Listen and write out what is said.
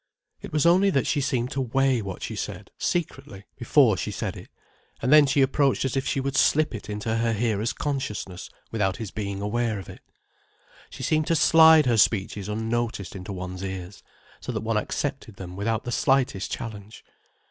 It was only that she seemed to weigh what she said, secretly, before she said it, and then she approached as if she would slip it into her hearer's consciousness without his being aware of it. She seemed to slide her speeches unnoticed into one's ears, so that one accepted them without the slightest challenge.